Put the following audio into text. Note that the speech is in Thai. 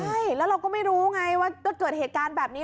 ใช่แล้วเราก็ไม่รู้ไงว่าก็เกิดเหตุการณ์แบบนี้